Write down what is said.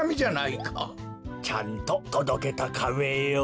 ちゃんととどけたカメよ。